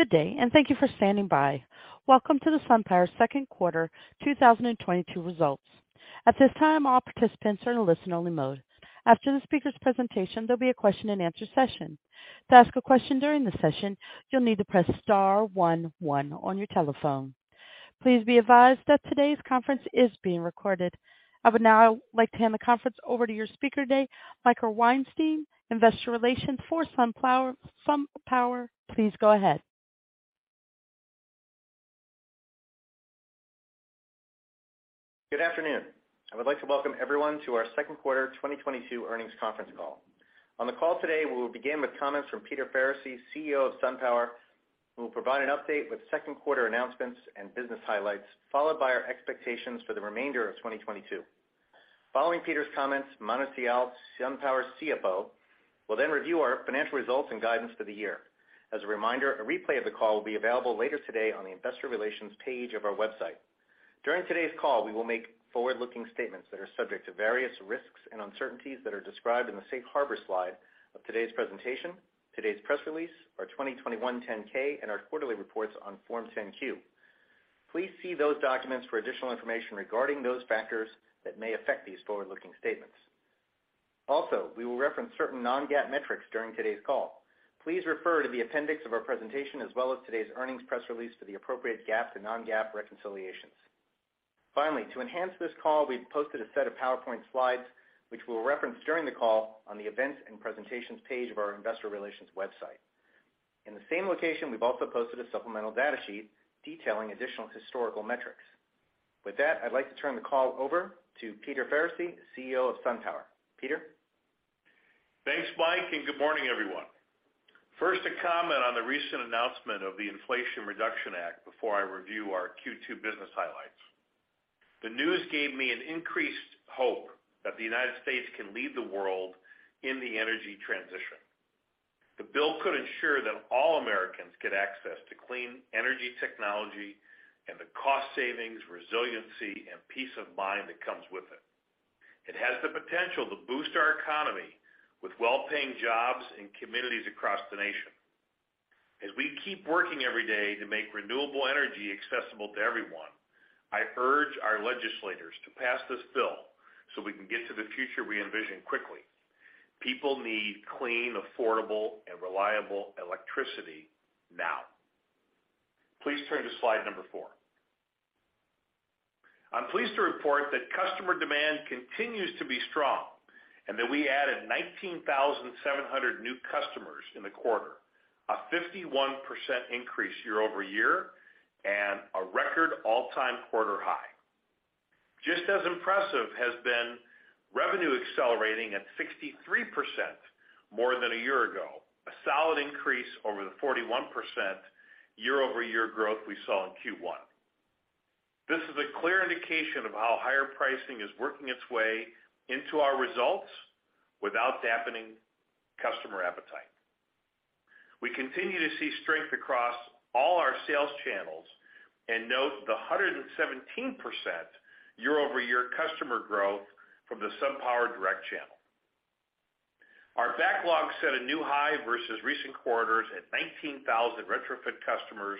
Good day, and thank you for standing by. Welcome to the SunPower second quarter 2022 results. At this time, all participants are in a listen-only mode. After the speaker's presentation, there'll be a question and answer session. To ask a question during the session, you'll need to press star one one on your telephone. Please be advised that today's conference is being recorded. I would now like to hand the conference over to your speaker today, Mike Weinstein, investor relations for SunPower. Please go ahead. Good afternoon. I would like to welcome everyone to our second quarter 2022 earnings conference call. On the call today, we will begin with comments from Peter Faricy, CEO of SunPower, who will provide an update with second quarter announcements and business highlights, followed by our expectations for the remainder of 2022. Following Peter's comments, Manu Sial, SunPower CFO, will then review our financial results and guidance for the year. As a reminder, a replay of the call will be available later today on the investor relations page of our website. During today's call, we will make forward-looking statements that are subject to various risks and uncertainties that are described in the Safe Harbor slide of today's presentation, today's press release, our 2021 10-K and our quarterly reports on Form 10-Q. Please see those documents for additional information regarding those factors that may affect these forward-looking statements. Also, we will reference certain non-GAAP metrics during today's call. Please refer to the appendix of our presentation as well as today's earnings press release to the appropriate GAAP and non-GAAP reconciliations. Finally, to enhance this call, we've posted a set of PowerPoint slides, which we'll reference during the call on the events and presentations page of our investor relations website. In the same location, we've also posted a supplemental data sheet detailing additional historical metrics. With that, I'd like to turn the call over to Peter Faricy, CEO of SunPower. Peter. Thanks, Mike, and good morning, everyone. First, to comment on the recent announcement of the Inflation Reduction Act before I review our Q2 business highlights. The news gave me an increased hope that the United States can lead the world in the energy transition. The bill could ensure that all Americans get access to clean energy technology and the cost savings, resiliency and peace of mind that comes with it. It has the potential to boost our economy with well-paying jobs in communities across the nation. As we keep working every day to make renewable energy accessible to everyone, I urge our legislators to pass this bill so we can get to the future we envision quickly. People need clean, affordable, and reliable electricity now. Please turn to slide number four. I'm pleased to report that customer demand continues to be strong, and that we added 19,700 new customers in the quarter, a 51% increase year-over-year, and a record all-time quarter high. Just as impressive has been revenue accelerating at 63% more than a year ago, a solid increase over the 41% year-over-year growth we saw in Q1. This is a clear indication of how higher pricing is working its way into our results without dampening customer appetite. We continue to see strength across all our sales channels and note the 117% year-over-year customer growth from the SunPower direct channel. Our backlog set a new high versus recent quarters at 19,000 retrofit customers,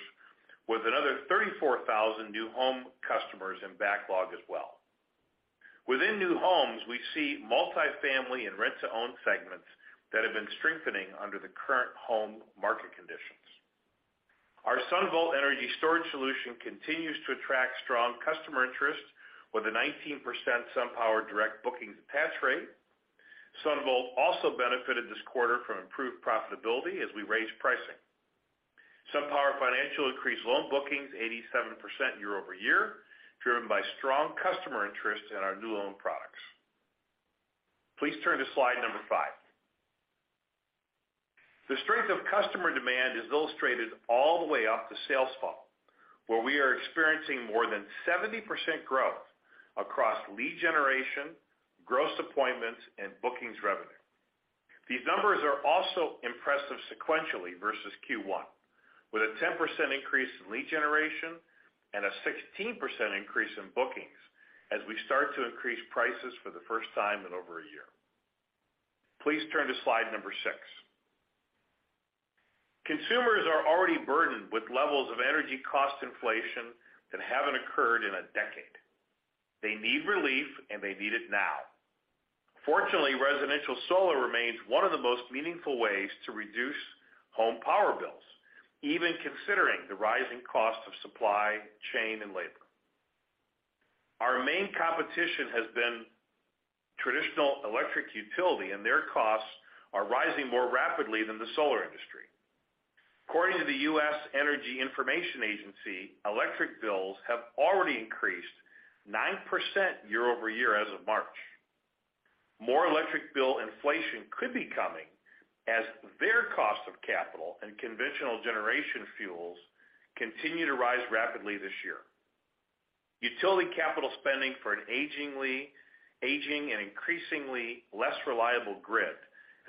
with another 34,000 new home customers in backlog as well. Within new homes, we see multifamily and rent-to-own segments that have been strengthening under the current home market conditions. Our SunVault energy storage solution continues to attract strong customer interest with a 19% SunPower direct bookings pass rate. SunVault also benefited this quarter from improved profitability as we raised pricing. SunPower Financial increased loan bookings 87% year-over-year, driven by strong customer interest in our new loan products. Please turn to slide number five. The strength of customer demand is illustrated all the way up the sales funnel, where we are experiencing more than 70% growth across lead generation, gross appointments, and bookings revenue. These numbers are also impressive sequentially versus Q1, with a 10% increase in lead generation and a 16% increase in bookings as we start to increase prices for the first time in over a year. Please turn to slide number six. Consumers are already burdened with levels of energy cost inflation that haven't occurred in a decade. They need relief, and they need it now. Fortunately, residential solar remains one of the most meaningful ways to reduce home power bills, even considering the rising cost of supply chain and labor. Our main competition has been traditional electric utility, and their costs are rising more rapidly than the solar industry. According to the U.S. Energy Information Agency, electric bills have already increased 9% year-over-year as of March. More electric bill inflation could be coming as their cost of capital and conventional generation fuels continue to rise rapidly this year. Utility capital spending for an aging and increasingly less reliable grid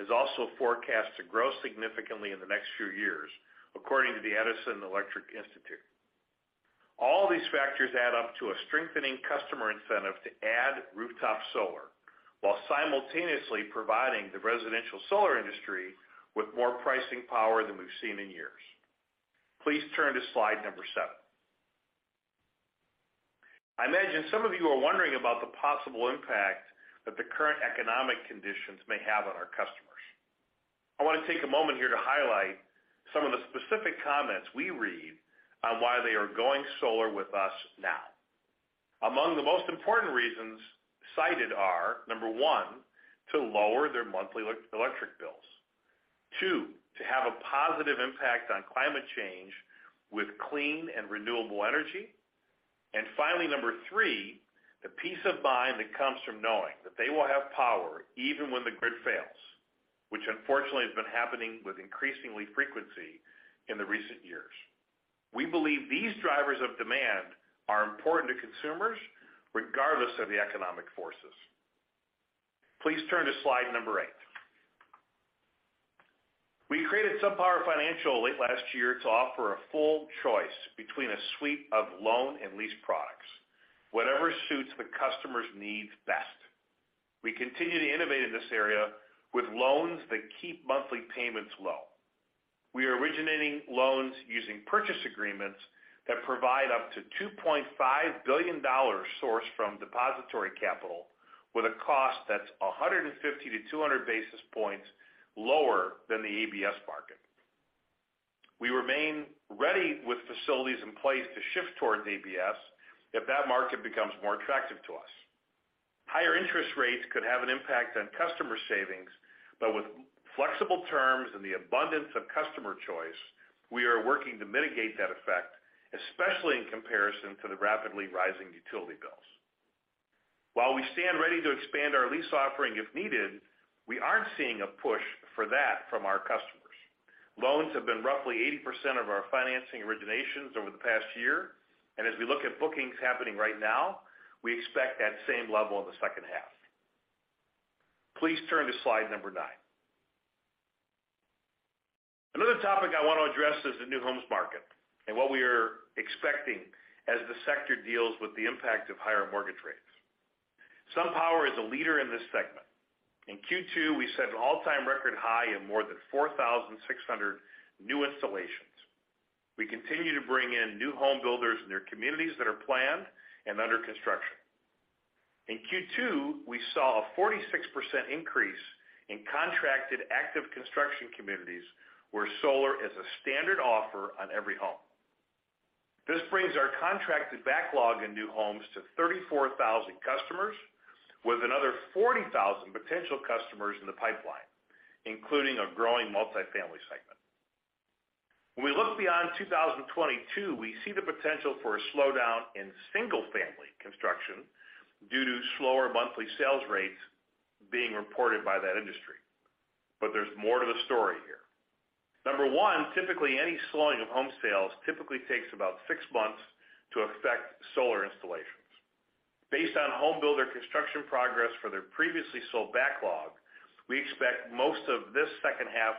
is also forecast to grow significantly in the next few years, according to the Edison Electric Institute. All these factors add up to a strengthening customer incentive to add rooftop solar, while simultaneously providing the residential solar industry with more pricing power than we've seen in years. Please turn to slide number seven. I imagine some of you are wondering about the possible impact that the current economic conditions may have on our customers. I wanna take a moment here to highlight some of the specific comments we read on why they are going solar with us now. Among the most important reasons cited are, number one, to lower their monthly electric bills. Two, to have a positive impact on climate change with clean and renewable energy. Finally, number three, the peace of mind that comes from knowing that they will have power even when the grid fails, which unfortunately has been happening with increasing frequency in the recent years. We believe these drivers of demand are important to consumers regardless of the economic forces. Please turn to slide number eight. We created SunPower Financial late last year to offer a full choice between a suite of loan and lease products, whatever suits the customer's needs best. We continue to innovate in this area with loans that keep monthly payments low. We are originating loans using purchase agreements that provide up to $2.5 billion sourced from depository capital with a cost that's 150-200 basis points lower than the ABS market. We remain ready with facilities in place to shift towards ABS if that market becomes more attractive to us. Higher interest rates could have an impact on customer savings, but with flexible terms and the abundance of customer choice, we are working to mitigate that effect, especially in comparison to the rapidly rising utility bills. While we stand ready to expand our lease offering if needed, we aren't seeing a push for that from our customers. Loans have been roughly 80% of our financing originations over the past year, and as we look at bookings happening right now, we expect that same level in the second half. Please turn to slide number nine. Another topic I want to address is the new homes market and what we are expecting as the sector deals with the impact of higher mortgage rates. SunPower is a leader in this segment. In Q2, we set an all-time record high in more than 4,600 new installations. We continue to bring in new home builders in their communities that are planned and under construction. In Q2, we saw a 46% increase in contracted active construction communities where solar is a standard offer on every home. This brings our contracted backlog in new homes to 34,000 customers, with another 40,000 potential customers in the pipeline, including a growing multifamily segment. When we look beyond 2022, we see the potential for a slowdown in single-family construction due to slower monthly sales rates being reported by that industry. There's more to the story here. Number one, typically any slowing of home sales typically takes about six months to affect solar installations. Based on home builder construction progress for their previously sold backlog, we expect most of this second half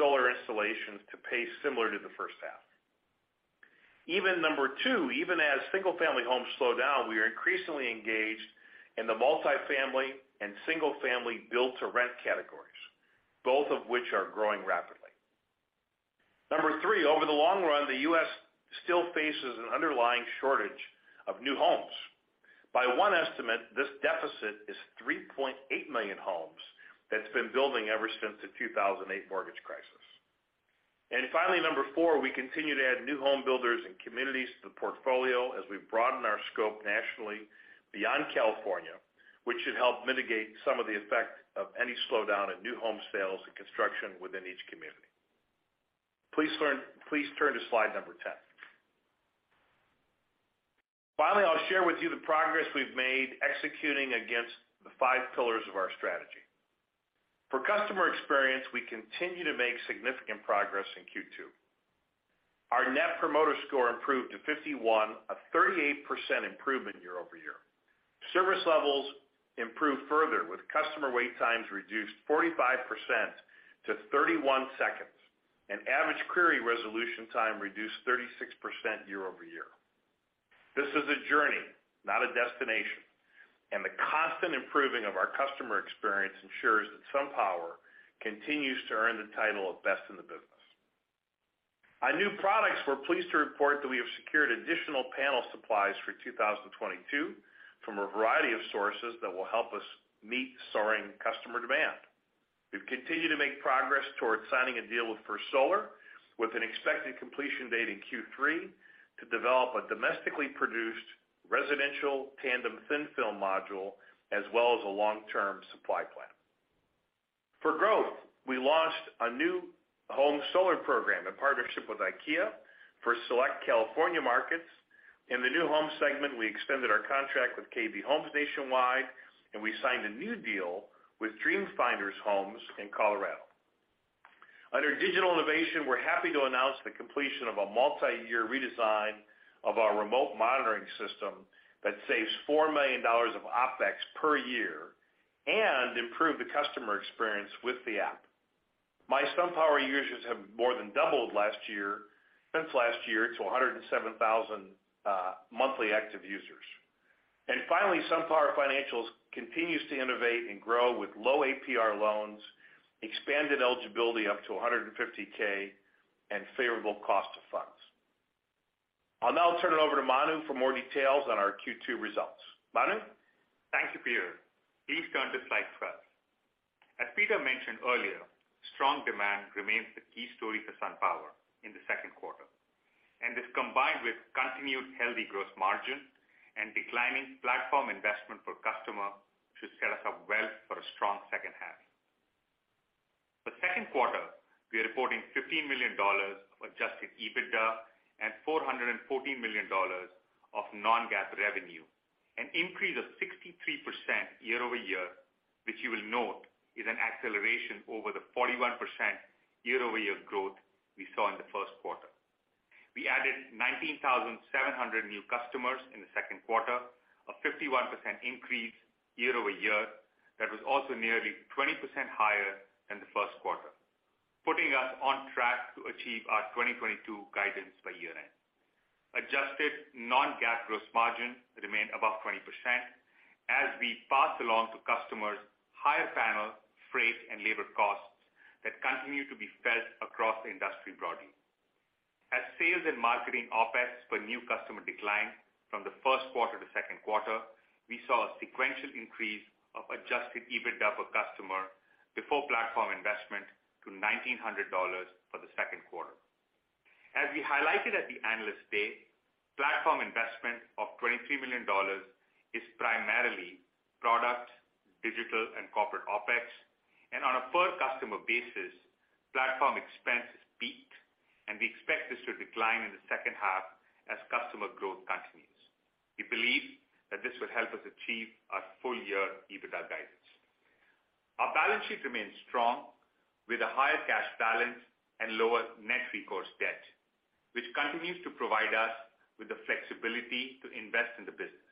solar installations to pace similar to the first half. Even number two, even as single-family homes slow down, we are increasingly engaged in the multifamily and single-family build-to-rent categories, both of which are growing rapidly. Number three, over the long run, the U.S. still faces an underlying shortage of new homes. By one estimate, this deficit is 3.8 million homes that's been building ever since the 2008 mortgage crisis. Finally, number four, we continue to add new home builders and communities to the portfolio as we broaden our scope nationally beyond California, which should help mitigate some of the effect of any slowdown in new home sales and construction within each community. Please turn to slide number 10. Finally, I'll share with you the progress we've made executing against the five pillars of our strategy. For customer experience, we continue to make significant progress in Q2. Our net promoter score improved to 51, a 38% improvement year-over-year. Service levels improved further, with customer wait times reduced 45% to 31 seconds, and average query resolution time reduced 36% year-over-year. This is a journey, not a destination, and the constant improving of our customer experience ensures that SunPower continues to earn the title of best in the business. On new products, we're pleased to report that we have secured additional panel supplies for 2022 from a variety of sources that will help us meet soaring customer demand. We've continued to make progress towards signing a deal with First Solar, with an expected completion date in Q3 to develop a domestically produced residential tandem thin-film module, as well as a long-term supply plan. For growth, we launched a new home solar program in partnership with IKEA for select California markets. In the new home segment, we extended our contract with KB Home nationwide, and we signed a new deal with Dream Finders Homes in Colorado. Under digital innovation, we're happy to announce the completion of a multiyear redesign of our remote monitoring system that saves $4 million of OpEx per year and improve the customer experience with the app. mySunPower users have more than doubled since last year to 107,000 monthly active users. Finally, SunPower Financial continues to innovate and grow with low APR loans, expanded eligibility up to $150K, and favorable cost of funds. I'll now turn it over to Manu for more details on our Q2 results. Manu? Thank you, Peter. Please turn to slide 12. As Peter mentioned earlier, strong demand remains the key story for SunPower in the second quarter. This combined with continued healthy gross margin and declining platform investment per customer should set us up well for a strong second half. For second quarter, we are reporting $15 million of adjusted EBITDA and $414 million of non-GAAP revenue, an increase of 63% year-over-year, which you will note is an acceleration over the 41% year-over-year growth we saw in the first quarter. We added 19,700 new customers in the second quarter, a 51% increase year-over-year that was also nearly 20% higher than the first quarter, putting us on track to achieve our 2022 guidance by year-end. Adjusted non-GAAP gross margin remained above 20% as we pass along to customers higher panel freight and labor costs that continue to be felt across the industry broadly. As sales and marketing OpEx per new customer declined from the first quarter to second quarter, we saw a sequential increase of adjusted EBITDA per customer before platform investment to $1,900 for the second quarter. As we highlighted at the Analyst Day, platform investment of $23 million is primarily product, digital and corporate OpEx, and on a per customer basis, platform expense is peaked, and we expect this to decline in the second half as customer growth continues. We believe that this will help us achieve our full year EBITDA guidance. Our balance sheet remains strong with a higher cash balance and lower net recourse debt, which continues to provide us with the flexibility to invest in the business.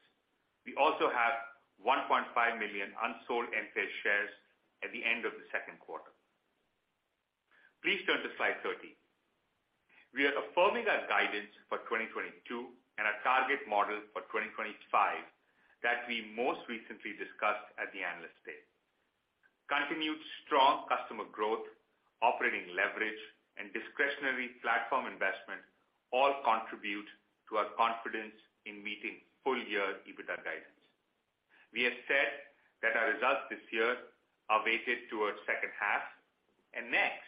We also have 1.5 million unsold MCAP shares at the end of the second quarter. Please turn to slide 13. We are affirming our guidance for 2022 and our target model for 2025 that we most recently discussed at the Analyst Day. Continued strong customer growth, operating leverage, and discretionary platform investment all contribute to our confidence in meeting full year EBITDA guidance. We have said that our results this year are weighted towards second half. Next,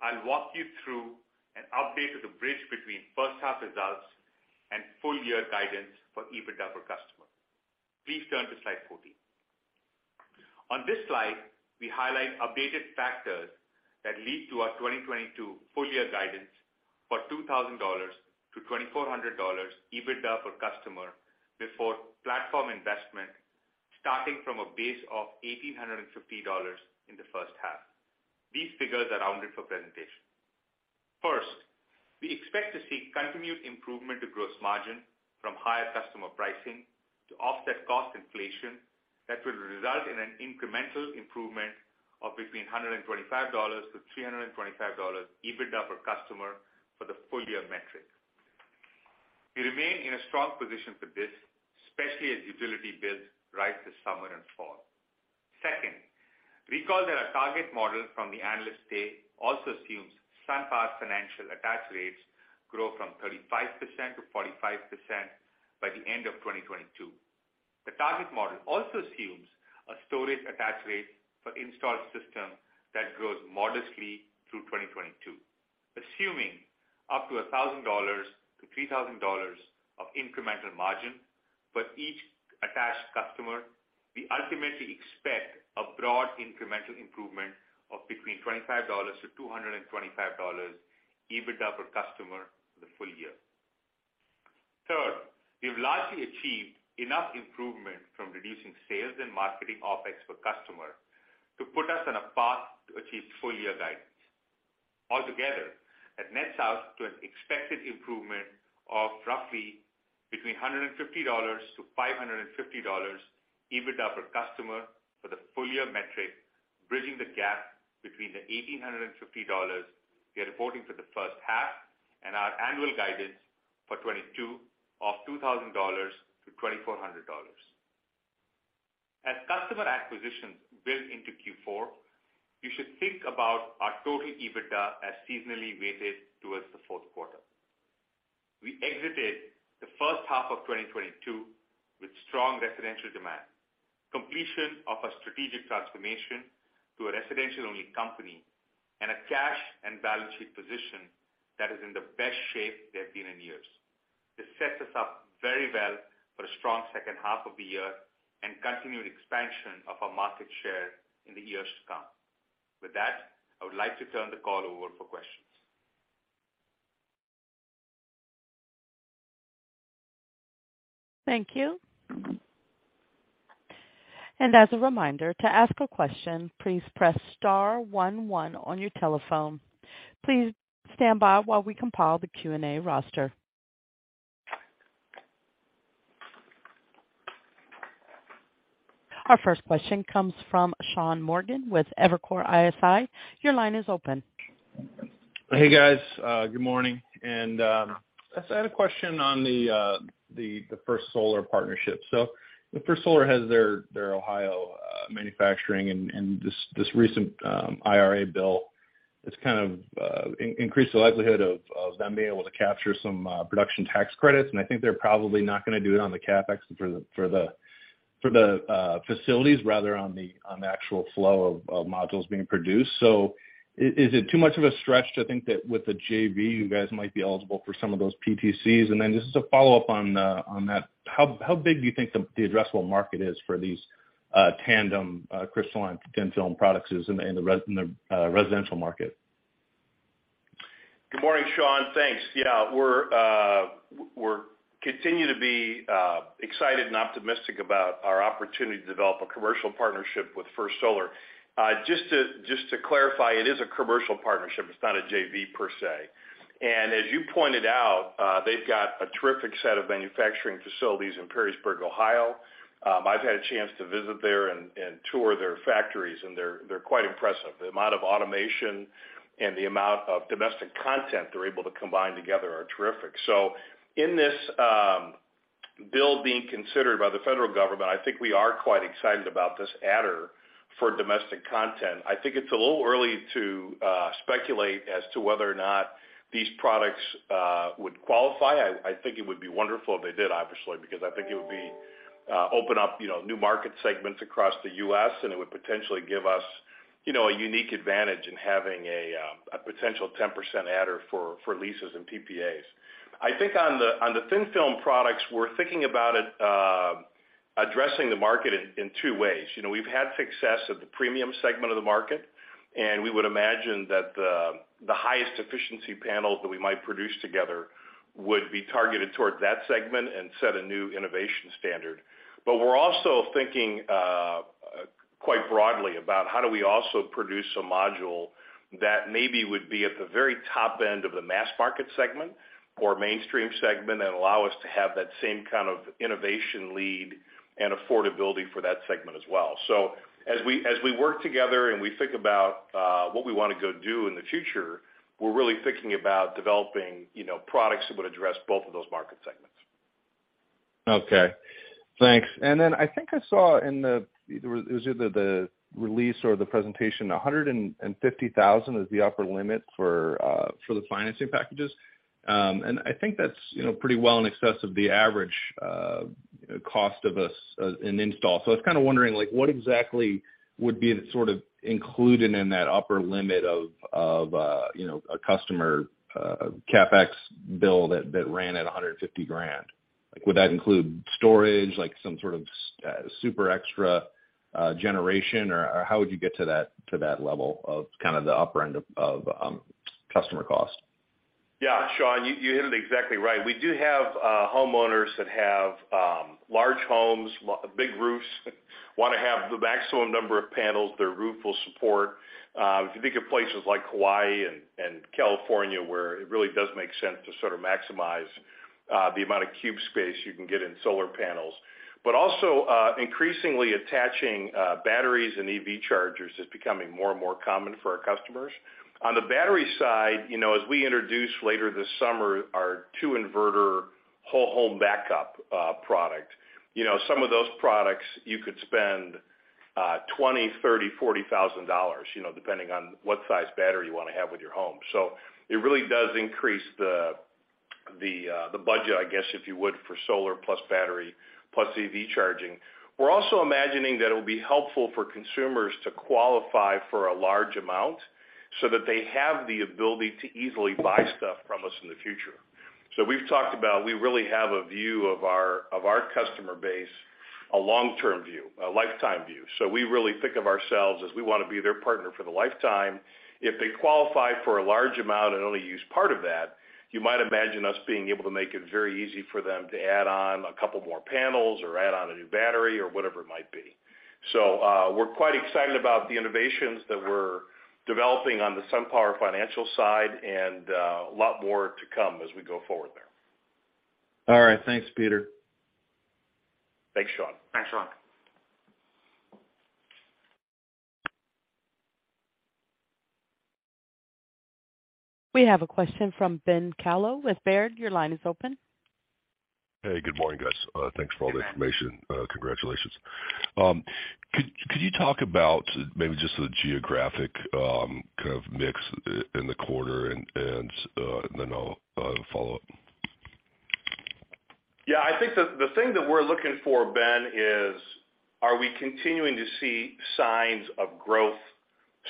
I'll walk you through an update of the bridge between first half results and full year guidance for EBITDA per customer. Please turn to slide 14. On this slide, we highlight updated factors that lead to our 2022 full year guidance for $2,000-$2,400 EBITDA per customer before platform investment starting from a base of $1,850 in the first half. These figures are rounded for presentation. First, we expect to see continued improvement to gross margin from higher customer pricing to offset cost inflation that will result in an incremental improvement of between $125 and $325 EBITDA per customer for the full year metric. We remain in a strong position for this, especially as utility bills rise this summer and fall. Second, recall that our target model from the Analyst Day also assumes SunPower Financial attach rates grow from 35%-45% by the end of 2022. The target model also assumes a storage attach rate for installed system that grows modestly through 2022. Assuming up to $1,000-$3,000 of incremental margin for each attached customer, we ultimately expect a broad incremental improvement of between $25-$225 EBITDA per customer for the full year. Third, we've largely achieved enough improvement from reducing sales and marketing OpEx per customer to put us on a path to achieve full year guidance. Altogether, that nets out to an expected improvement of roughly between $150-$550 EBITDA per customer for the full year metric, bridging the gap between the $1,850 we are reporting for the first half and our annual guidance for 2022 of $2,000-$2,400. As customer acquisitions build into Q4, you should think about our total EBITDA as seasonally weighted towards the fourth quarter. We exited the first half of 2022 with strong residential demand, completion of a strategic transformation to a residential-only company, and a cash and balance sheet position that is in the best shape they've been in years. This sets us up very well for a strong second half of the year and continued expansion of our market share in the years to come. With that, I would like to turn the call over for questions. Thank you. As a reminder, to ask a question, please press star one one on your telephone. Please stand by while we compile the Q&A roster. Our first question comes from Sean Morgan with Evercore ISI. Your line is open. Hey guys, good morning. I just had a question on the First Solar partnership. The First Solar has their Ohio manufacturing and this recent IRA bill is kind of increased the likelihood of them being able to capture some production tax credits. I think they're probably not gonna do it on the CapEx for the facilities rather on the actual flow of modules being produced. Is it too much of a stretch to think that with the JV, you guys might be eligible for some of those PTCs? Then just a follow-up on that. How big do you think the addressable market is for these tandem crystalline thin film products is in the residential market? Good morning, Sean. Thanks. Yeah, we're continuing to be excited and optimistic about our opportunity to develop a commercial partnership with First Solar. Just to clarify, it is a commercial partnership. It's not a JV per se. As you pointed out, they've got a terrific set of manufacturing facilities in Perrysburg, Ohio. I've had a chance to visit there and tour their factories, and they're quite impressive. The amount of automation and the amount of domestic content they're able to combine together are terrific. In this bill being considered by the federal government, I think we are quite excited about this adder for domestic content. I think it's a little early to speculate as to whether or not these products would qualify. I think it would be wonderful if they did, obviously, because I think it would be open up, you know, new market segments across the U.S., and it would potentially give us, you know, a unique advantage in having a potential 10% adder for leases and PPAs. I think on the thin film products, we're thinking about it addressing the market in two ways. You know, we've had success at the premium segment of the market, and we would imagine that the highest efficiency panels that we might produce together would be targeted toward that segment and set a new innovation standard. We're also thinking quite broadly about how do we also produce a module that maybe would be at the very top end of the mass market segment or mainstream segment and allow us to have that same kind of innovation lead and affordability for that segment as well. As we work together and we think about what we wanna go do in the future, we're really thinking about developing, you know, products that would address both of those market segments. Okay, thanks. I think I saw it was either the release or the presentation, $150,000 is the upper limit for the financing packages. I think that's, you know, pretty well in excess of the average cost of an install. I was kinda wondering, like, what exactly would be sort of included in that upper limit of you know a customer CapEx bill that ran at $150,000? Like, would that include storage, like, some sort of super extra generation? Or how would you get to that level of kinda the upper end of customer cost? Yeah, Sean, you hit it exactly right. We do have homeowners that have large homes, big roofs, wanna have the maximum number of panels their roof will support. If you think of places like Hawaii and California, where it really does make sense to sort of maximize the amount of cube space you can get in solar panels. Also, increasingly attaching batteries and EV chargers is becoming more and more common for our customers. On the battery side, you know, as we introduce later this summer our two inverter whole home backup product. You know, some of those products you could spend $20,000, $30,000, $40,000, you know, depending on what size battery you wanna have with your home. It really does increase the budget, I guess, if you would, for solar plus battery plus EV charging. We're also imagining that it'll be helpful for consumers to qualify for a large amount so that they have the ability to easily buy stuff from us in the future. We've talked about we really have a view of our customer base, a long-term view, a lifetime view. We really think of ourselves as we wanna be their partner for the lifetime. If they qualify for a large amount and only use part of that, you might imagine us being able to make it very easy for them to add on a couple more panels or add on a new battery or whatever it might be. So we're quite excited about the innovations that we're developing on the SunPower Financial side and a lot more to come as we go forward there. All right. Thanks, Peter. Thanks, Sean. We have a question from Ben Kallo with Baird. Your line is open. Hey, good morning, guys. Thanks for all the information. Congratulations. Could you talk about maybe just the geographic kind of mix in the quarter? Then I'll follow up. Yeah, I think the thing that we're looking for, Ben, is, are we continuing to see signs of growth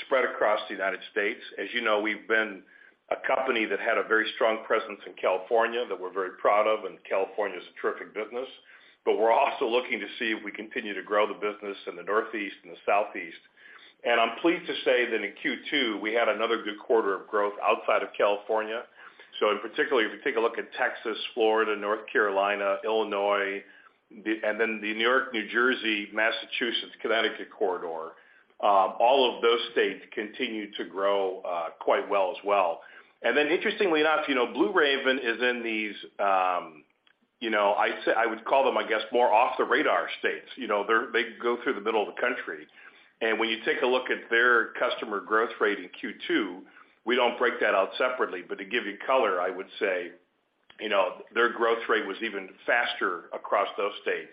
spread across the United States? As you know, we've been a company that had a very strong presence in California that we're very proud of, and California is a terrific business. We're also looking to see if we continue to grow the business in the Northeast and the Southeast. I'm pleased to say that in Q2, we had another good quarter of growth outside of California. In particular, if you take a look at Texas, Florida, North Carolina, Illinois, and then the New York, New Jersey, Massachusetts, Connecticut corridor, all of those states continue to grow quite well as well. Interestingly enough, you know, Blue Raven is in these, you know, I say I would call them, I guess, more off the radar states. You know, they go through the middle of the country. When you take a look at their customer growth rate in Q2, we don't break that out separately, but to give you color, I would say, you know, their growth rate was even faster across those states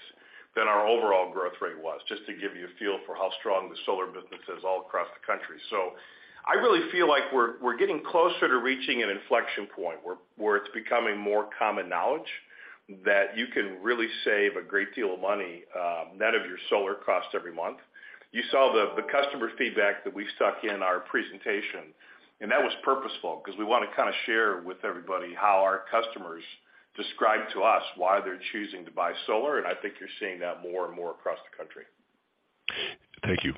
than our overall growth rate was, just to give you a feel for how strong the solar business is all across the country. I really feel like we're getting closer to reaching an inflection point where it's becoming more common knowledge that you can really save a great deal of money, net of your solar costs every month. You saw the customer feedback that we stuck in our presentation, and that was purposeful because we want to kind of share with everybody how our customers describe to us why they're choosing to buy solar, and I think you're seeing that more and more across the country. Thank you.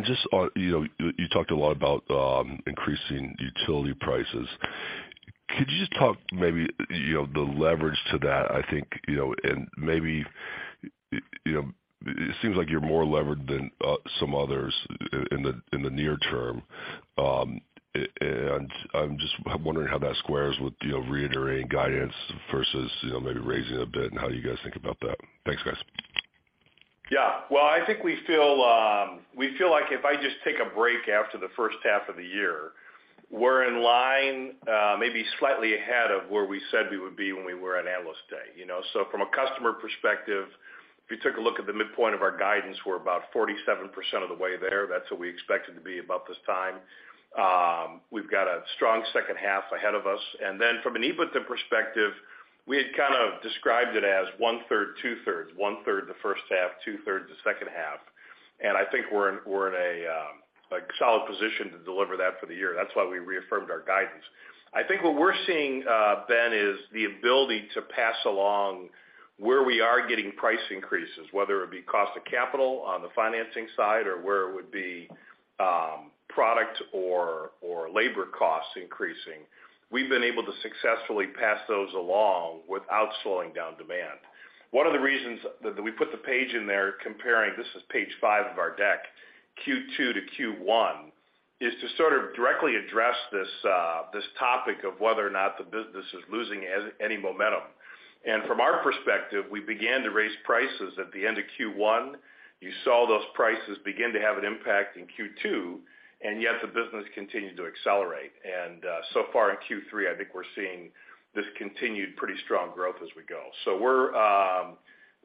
Just on, you know, you talked a lot about increasing utility prices. Could you just talk maybe, you know, the leverage to that? I think, you know, and maybe, you know, it seems like you're more levered than some others in the near term. I'm just wondering how that squares with, you know, reiterating guidance versus, you know, maybe raising a bit and how you guys think about that. Thanks, guys. Yeah. Well, I think we feel like if I just take a break after the first half of the year, we're in line, maybe slightly ahead of where we said we would be when we were at Analyst Day, you know. From a customer perspective, if you took a look at the midpoint of our guidance, we're about 47% of the way there. That's what we expected to be about this time. We've got a strong second half ahead of us. From an EBITDA perspective, we had kind of described it as one-third, two-thirds, one-third the first half, two-thirds the second half. I think we're in a solid position to deliver that for the year. That's why we reaffirmed our guidance. I think what we're seeing, Ben, is the ability to pass along where we are getting price increases, whether it be cost of capital on the financing side or where it would be, product or labor costs increasing. We've been able to successfully pass those along without slowing down demand. One of the reasons that we put the page in there comparing, this is page five of our deck, Q2 to Q1, is to sort of directly address this topic of whether or not the business is losing any momentum. From our perspective, we began to raise prices at the end of Q1. You saw those prices begin to have an impact in Q2, and yet the business continued to accelerate. So far in Q3, I think we're seeing this continued pretty strong growth as we go.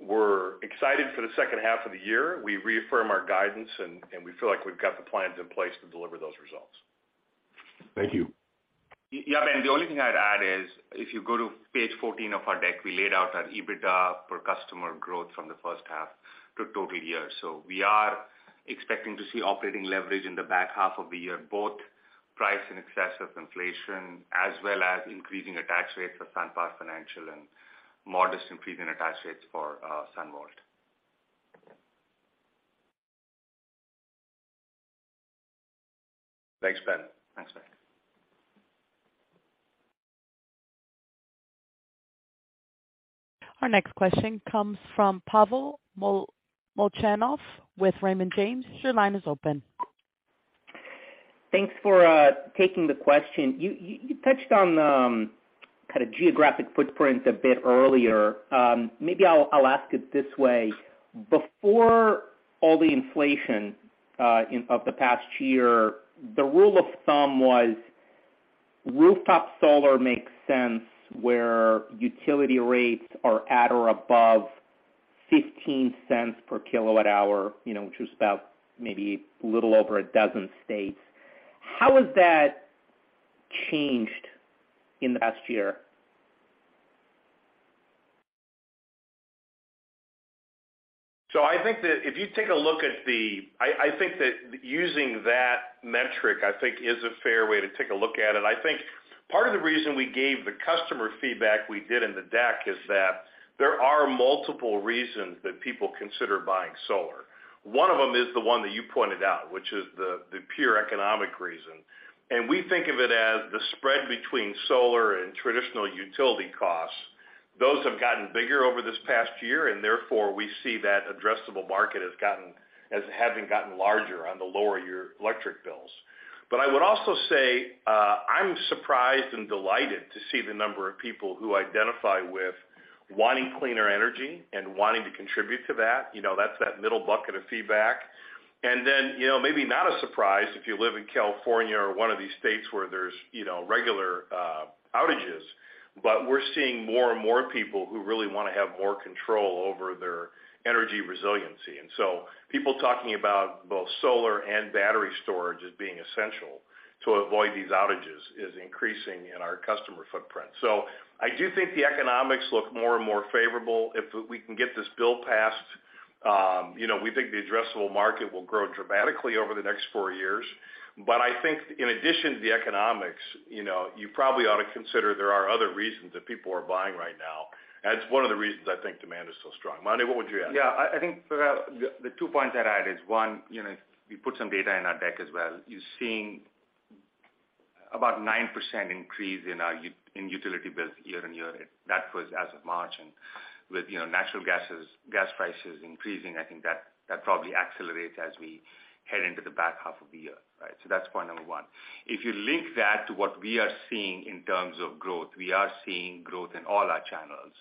We're excited for the second half of the year. We reaffirm our guidance, and we feel like we've got the plans in place to deliver those results. Thank you. Yeah, Ben, the only thing I'd add is if you go to page 14 of our deck, we laid out our EBITDA per customer growth from the first half to full year. We are expecting to see operating leverage in the back half of the year, both price in excess of inflation as well as increasing attach rates for SunPower Financial and modest increasing attach rates for SunVault. Thanks, Ben. Thanks, Ben. Our next question comes from Pavel Molchanov with Raymond James. Your line is open. Thanks for taking the question. You touched on kind of geographic footprint a bit earlier. Maybe I'll ask it this way. Before all the inflation of the past year, the rule of thumb was rooftop solar makes sense where utility rates are at or above $0.15 per kWh, you know, which was about maybe a little over a dozen states. How has that changed in the past year? I think that using that metric, I think is a fair way to take a look at it. I think part of the reason we gave the customer feedback we did in the deck is that there are multiple reasons that people consider buying solar. One of them is the one that you pointed out, which is the pure economic reason. We think of it as the spread between solar and traditional utility costs. Those have gotten bigger over this past year, and therefore, we see that addressable market as having gotten larger on lowering your electric bills. I would also say, I'm surprised and delighted to see the number of people who identify with wanting cleaner energy and wanting to contribute to that. You know, that's that middle bucket of feedback. Then, you know, maybe not a surprise if you live in California or one of these states where there's, you know, regular, outages, but we're seeing more and more people who really wanna have more control over their energy resiliency. People talking about both solar and battery storage as being essential to avoid these outages is increasing in our customer footprint. I do think the economics look more and more favorable. If we can get this bill passed, you know, we think the addressable market will grow dramatically over the next four years. I think in addition to the economics, you know, you probably ought to consider there are other reasons that people are buying right now. That's one of the reasons I think demand is so strong. Manu, what would you add? Yeah, I think the two points I'd add is, one, you know, we put some data in our deck as well. You're seeing about 9% increase in our in utility bills year-over-year. That was as of March. With, you know, natural gas prices increasing, I think that probably accelerates as we head into the back half of the year, right? That's point number one. If you link that to what we are seeing in terms of growth, we are seeing growth in all our channels.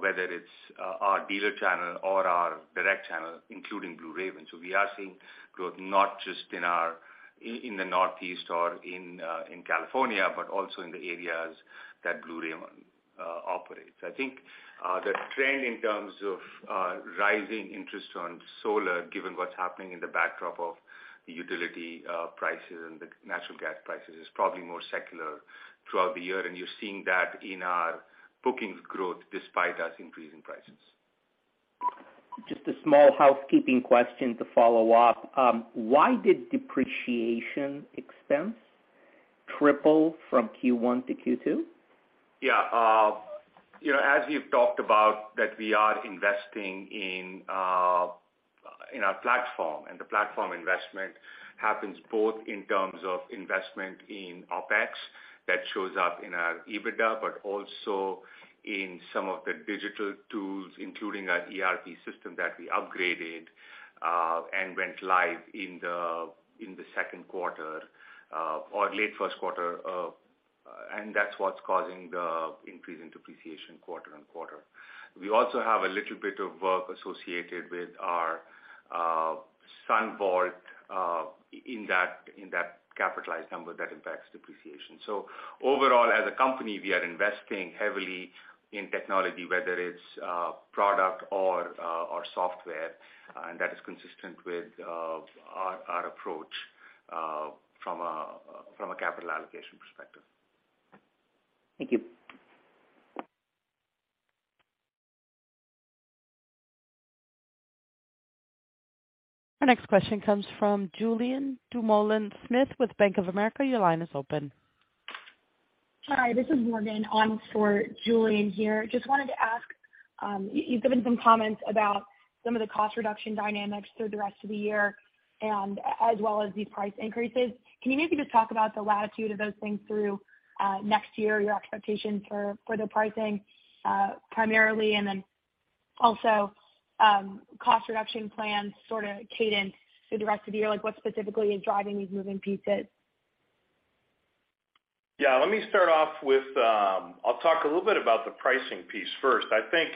Whether it's our dealer channel or our direct channel, including Blue Raven. We are seeing growth not just in our in the Northeast or in in California, but also in the areas that Blue Raven operates. I think the trend in terms of rising interest on solar, given what's happening in the backdrop of the utility prices and the natural gas prices, is probably more secular throughout the year. You're seeing that in our bookings growth despite us increasing prices. Just a small housekeeping question to follow up. Why did depreciation expense triple from Q1 to Q2? Yeah. You know, as we've talked about that we are investing in our platform, and the platform investment happens both in terms of investment in OpEx that shows up in our EBITDA, but also in some of the digital tools, including our ERP system that we upgraded and went live in the second quarter or late first quarter. That's what's causing the increase in depreciation quarter-over-quarter. We also have a little bit of work associated with our SunVault in that capitalized number that impacts depreciation. Overall, as a company, we are investing heavily in technology, whether it's product or software, and that is consistent with our approach from a capital allocation perspective. Thank you. Our next question comes from Julien Dumoulin-Smith with Bank of America. Your line is open. Hi, this is Morgan on for Julien here. Just wanted to ask, you've given some comments about some of the cost reduction dynamics through the rest of the year and as well as the price increases. Can you maybe just talk about the latitude of those things through next year, your expectations for the pricing primarily? And then also, cost reduction plans sort of cadence through the rest of the year. Like what specifically is driving these moving pieces? Yeah, let me start off with, I'll talk a little bit about the pricing piece first. I think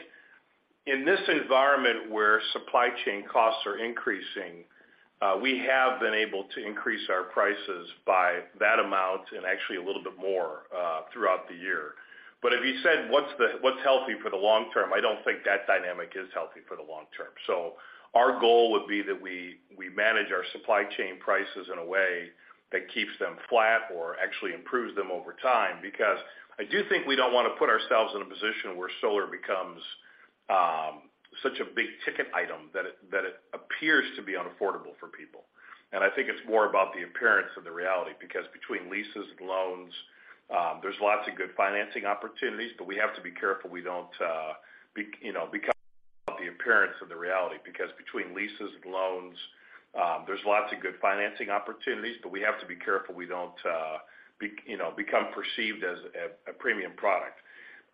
in this environment where supply chain costs are increasing, we have been able to increase our prices by that amount and actually a little bit more, throughout the year. If you said, what's healthy for the long term? I don't think that dynamic is healthy for the long term. Our goal would be that we manage our supply chain prices in a way that keeps them flat or actually improves them over time. Because I do think we don't want to put ourselves in a position where solar becomes such a big ticket item that it appears to be unaffordable for people. I think it's more about the appearance of the reality, because between leases and loans, there's lots of good financing opportunities, but we have to be careful we don't become perceived as a premium product.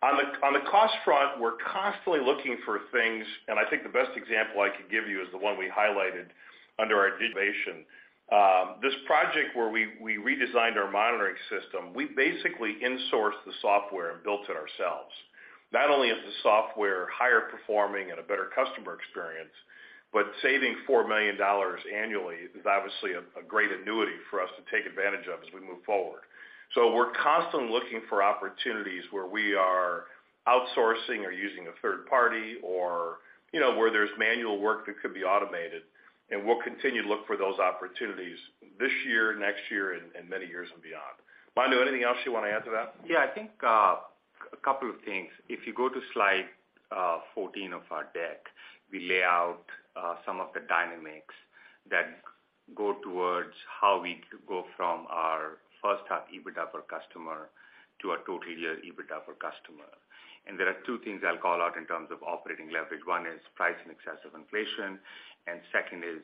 On the cost front, we're constantly looking for things, and I think the best example I could give you is the one we highlighted under our innovation. This project where we redesigned our monitoring system, we basically insourced the software and built it ourselves. Not only is the software higher performing and a better customer experience, but saving $4 million annually is obviously a great annuity for us to take advantage of as we move forward. We're constantly looking for opportunities where we are outsourcing or using a third party or, you know, where there's manual work that could be automated, and we'll continue to look for those opportunities this year, next year, and many years and beyond. Manu, anything else you want to add to that? Yeah, I think a couple of things. If you go to slide 14 of our deck, we lay out some of the dynamics that go towards how we go from our first half EBITDA per customer to a total year EBITDA per customer. There are two things I'll call out in terms of operating leverage. One is price in excess of inflation, and second is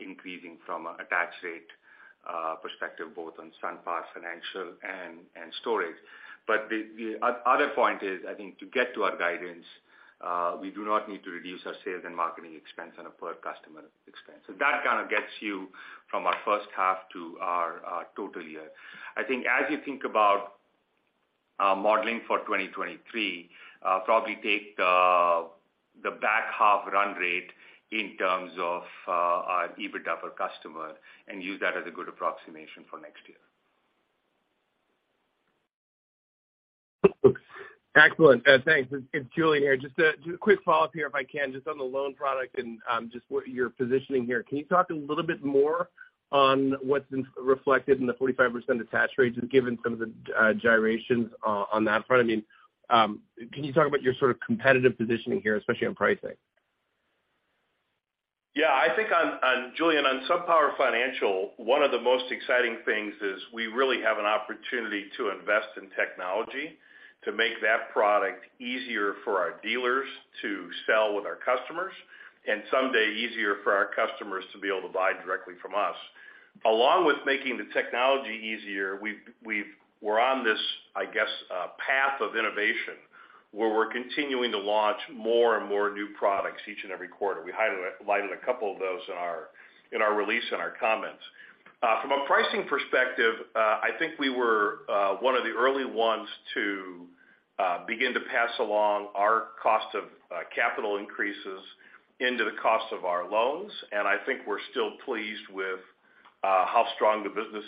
increasing from attach rate perspective both on SunPower Financial and storage. The other point is, I think to get to our guidance, we do not need to reduce our sales and marketing expense on a per customer expense. That kind of gets you from our first half to our total year. I think as you think about modeling for 2023, probably take the back half run rate in terms of our EBITDA per customer and use that as a good approximation for next year. Excellent. Thanks. It's Julien here. Just a quick follow-up here if I can, just on the loan product and just what you're positioning here. Can you talk a little bit more on what's been reflected in the 45% attach rates and given some of the gyrations on that front? I mean, can you talk about your sort of competitive positioning here, especially on pricing? Yeah, I think on Julien, on SunPower Financial, one of the most exciting things is we really have an opportunity to invest in technology to make that product easier for our dealers to sell with our customers, and someday easier for our customers to be able to buy directly from us. Along with making the technology easier, we're on this, I guess, path of innovation, where we're continuing to launch more and more new products each and every quarter. We highlighted a couple of those in our release and our comments. From a pricing perspective, I think we were one of the early ones to begin to pass along our cost of capital increases into the cost of our loans. I think we're still pleased with how strong the business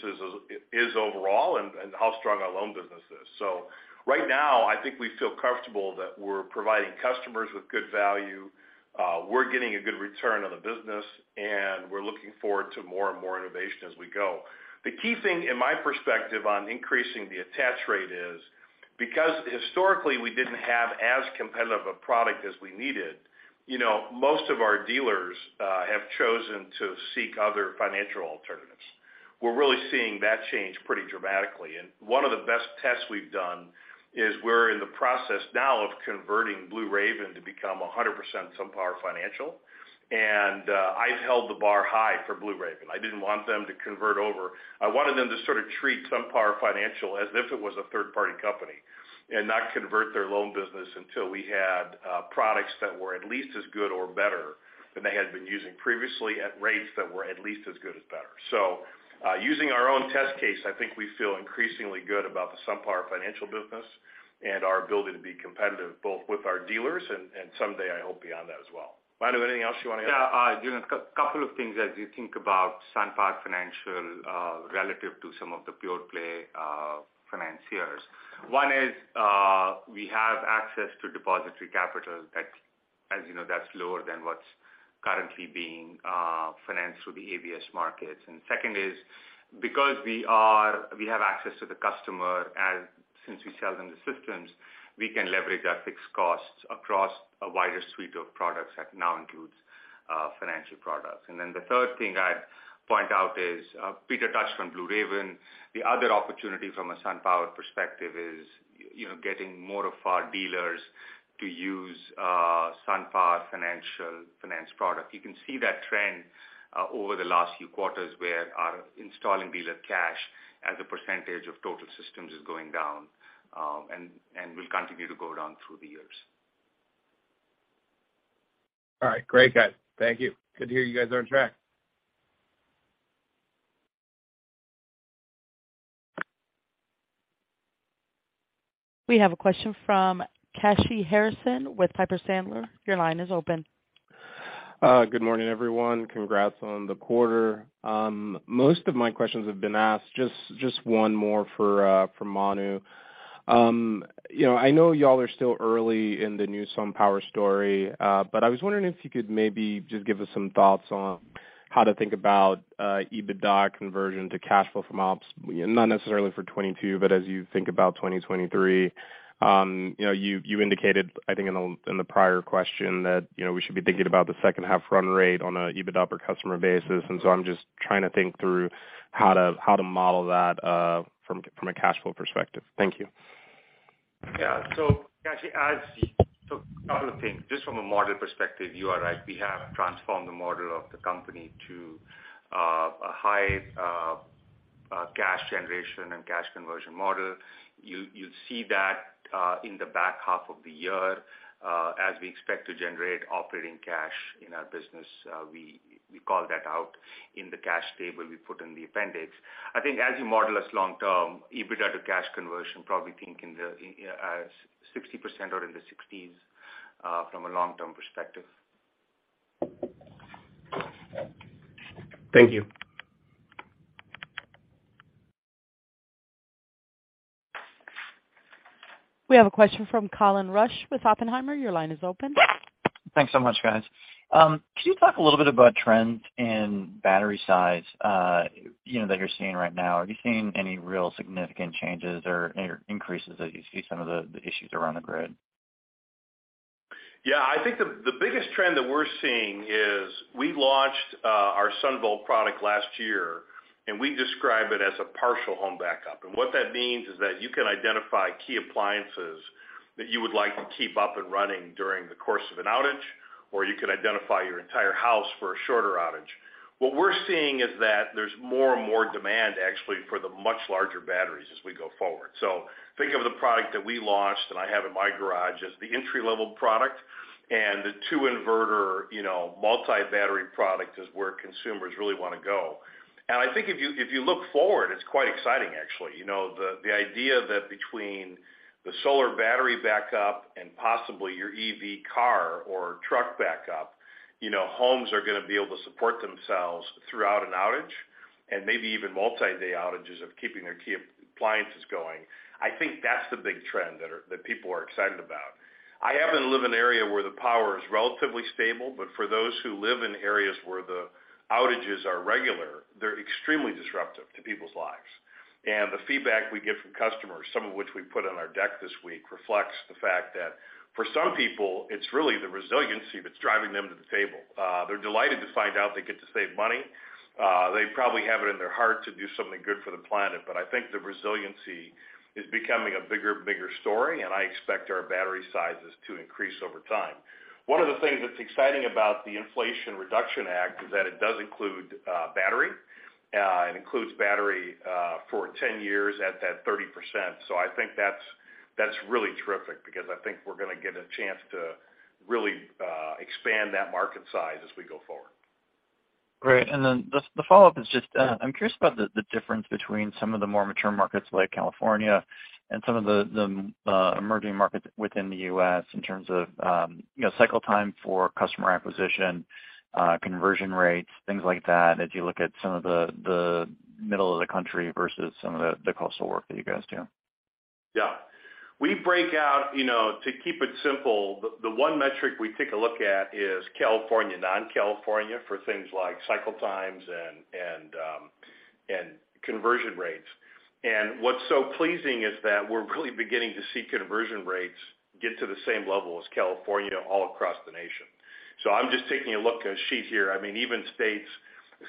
is overall and how strong our loan business is. Right now I think we feel comfortable that we're providing customers with good value, we're getting a good return on the business, and we're looking forward to more and more innovation as we go. The key thing in my perspective on increasing the attach rate is because historically we didn't have as competitive a product as we needed, you know, most of our dealers have chosen to seek other financial alternatives. We're really seeing that change pretty dramatically. One of the best tests we've done is we're in the process now of converting Blue Raven to become 100% SunPower Financial. I've held the bar high for Blue Raven. I didn't want them to convert over. I wanted them to sort of treat SunPower Financial as if it was a third-party company and not convert their loan business until we had products that were at least as good or better than they had been using previously at rates that were at least as good as better. Using our own test case, I think we feel increasingly good about the SunPower Financial business and our ability to be competitive both with our dealers and someday I hope beyond that as well. Manu, anything else you wanna add? Yeah. You know, a couple of things as you think about SunPower Financial relative to some of the pure play financiers. One is we have access to depository capital that, as you know, that's lower than what's currently being financed through the ABS markets. Second is because we have access to the customer and since we sell them the systems, we can leverage our fixed costs across a wider suite of products that now includes financial products. The third thing I'd point out is Peter touched on Blue Raven. The other opportunity from a SunPower perspective is you know, getting more of our dealers to use SunPower Financial finance product. You can see that trend over the last few quarters where our installing dealer cash as a percentage of total systems is going down, and will continue to go down through the years. All right, great guys. Thank you. Good to hear you guys are on track. We have a question from Kashy Harrison with Piper Sandler. Your line is open. Good morning everyone. Congrats on the quarter. Most of my questions have been asked. Just one more for Manu. You know, I know y'all are still early in the new SunPower story, but I was wondering if you could maybe just give us some thoughts on how to think about EBITDA conversion to cash flow from ops, not necessarily for 2022, but as you think about 2023. You know, you indicated I think in the prior question that you know, we should be thinking about the second half run rate on a EBITDA per customer basis. I'm just trying to think through how to model that from a cash flow perspective. Thank you. Yeah. So Kashy, a couple of things. Just from a model perspective, you are right. We have transformed the model of the company to a high cash generation and cash conversion model. You'll see that in the back half of the year as we expect to generate operating cash in our business. We call that out in the cash table we put in the appendix. I think as you model us long-term EBITDA to cash conversion, probably think in the 60% or in the 60s from a long-term perspective. Thank you. We have a question from Colin Rusch with Oppenheimer. Your line is open. Thanks so much, guys. Can you talk a little bit about trends in battery size, you know, that you're seeing right now? Are you seeing any real significant changes or increases as you see some of the issues around the grid? Yeah. I think the biggest trend that we're seeing is we launched our SunVault product last year, and we describe it as a partial home backup. What that means is that you can identify key appliances that you would like to keep up and running during the course of an outage, or you could identify your entire house for a shorter outage. What we're seeing is that there's more and more demand actually for the much larger batteries as we go forward. Think of the product that we launched, and I have in my garage as the entry level product and the two inverter, you know, multi-battery product is where consumers really want to go. I think if you look forward, it's quite exciting actually. You know, the idea that between the solar battery backup and possibly your EV car or truck backup, you know, homes are gonna be able to support themselves throughout an outage and maybe even multi-day outages of keeping their key appliances going. I think that's the big trend that people are excited about. I happen to live in an area where the power is relatively stable, but for those who live in areas where the outages are regular, they're extremely disruptive to people's lives. The feedback we get from customers, some of which we put on our deck this week, reflects the fact that for some people it's really the resiliency that's driving them to the table. They're delighted to find out they get to save money. They probably have it in their heart to do something good for the planet, but I think the resiliency is becoming a bigger story, and I expect our battery sizes to increase over time. One of the things that's exciting about the Inflation Reduction Act is that it does include battery. It includes battery for 10 years at that 30%. I think that's really terrific because I think we're gonna get a chance to really expand that market size as we go forward. Great. Then the follow-up is just, I'm curious about the difference between some of the more mature markets like California and some of the emerging markets within the U.S. in terms of, you know, cycle time for customer acquisition, conversion rates, things like that, as you look at some of the middle of the country versus some of the coastal work that you guys do. Yeah. We break out, you know, to keep it simple, the one metric we take a look at is California, non-California for things like cycle times and conversion rates. What's so pleasing is that we're really beginning to see conversion rates get to the same level as California all across the nation. I'm just taking a look at a sheet here. I mean, even states,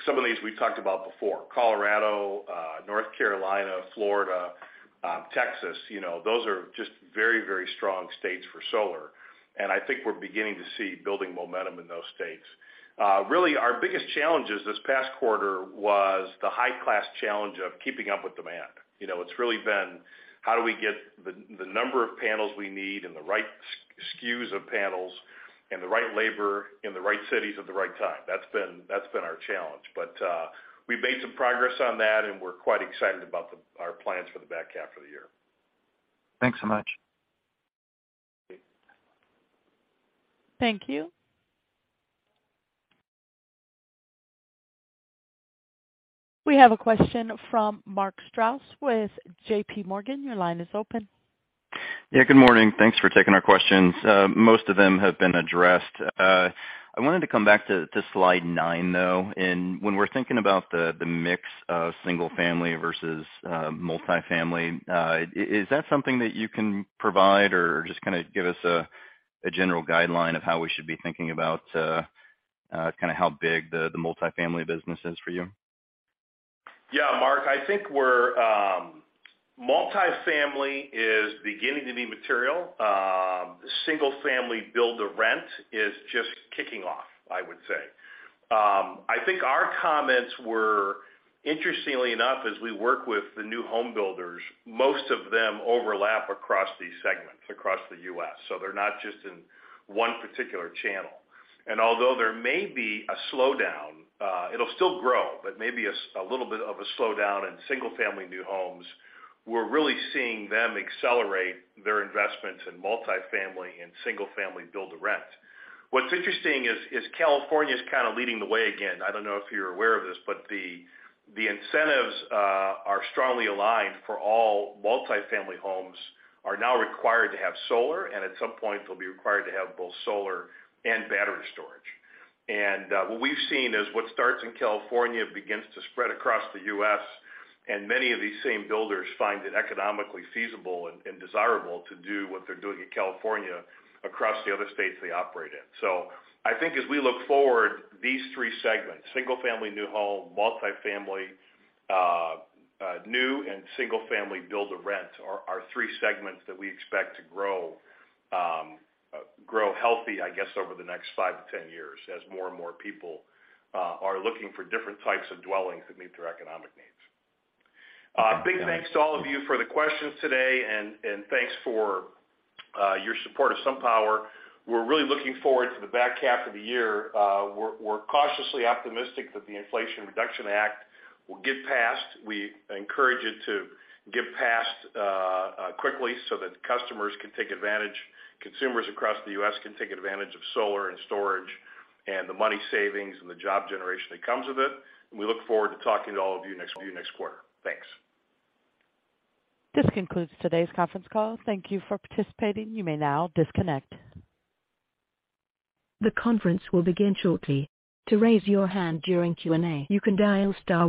some of these we've talked about before, Colorado, North Carolina, Florida, Texas, you know, those are just very strong states for solar. I think we're beginning to see building momentum in those states. Really, our biggest challenges this past quarter was the high-caliber challenge of keeping up with demand. You know, it's really been how do we get the number of panels we need and the right SKUs of panels and the right labor in the right cities at the right time. That's been our challenge. We've made some progress on that, and we're quite excited about our plans for the back half of the year. Thanks so much. Thank you. We have a question from Mark Strouse with JPMorgan. Your line is open. Yeah, good morning. Thanks for taking our questions. Most of them have been addressed. I wanted to come back to slide nine, though. When we're thinking about the mix of single-family versus multi-family, is that something that you can provide or just kinda give us a general guideline of how we should be thinking about kinda how big the multi-family business is for you? Yeah, Mark. I think we're, multi-family is beginning to be material. Single-family build or rent is just kicking off, I would say. I think our comments were interestingly enough, as we work with the new home builders, most of them overlap across these segments across the U.S., so they're not just in one particular channel. Although there may be a slowdown, it'll still grow, but maybe a little bit of a slowdown in single-family new homes. We're really seeing them accelerate their investments in multi-family and single-family build or rent. What's interesting is California's kind of leading the way again. I don't know if you're aware of this, but the incentives are strongly aligned. All multi-family homes are now required to have solar, and at some point, they'll be required to have both solar and battery storage. What we've seen is what starts in California begins to spread across the U.S., and many of these same builders find it economically feasible and desirable to do what they're doing in California across the other states they operate in. I think as we look forward, these three segments, single-family new home, multi-family, new and single-family build or rent are three segments that we expect to grow healthy, I guess, over the next 5-10 years as more and more people are looking for different types of dwellings that meet their economic needs. Big thanks to all of you for the questions today, and thanks for your support of SunPower. We're really looking forward to the back half of the year. We're cautiously optimistic that the Inflation Reduction Act will get passed. We encourage it to get passed quickly so that customers can take advantage, consumers across the U.S. can take advantage of solar and storage and the money savings and the job generation that comes with it. We look forward to talking to all of you next quarter. Thanks. This concludes today's conference call. Thank you for participating. You may now disconnect. The conference will begin shortly. To raise your hand during Q&A, you can dial star one.